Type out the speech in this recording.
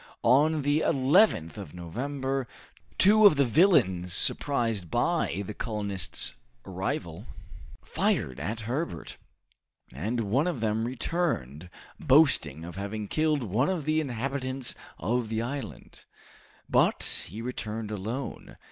On the 11th of November, two of the villains, surprised by the colonists' arrival, fired at Herbert, and one of them returned, boasting of having killed one of the inhabitants of the island; but he returned alone.